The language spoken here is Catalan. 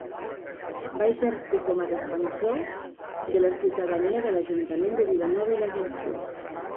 Va exercir com a Defensor de la ciutadania de l'Ajuntament de Vilanova i la Geltrú.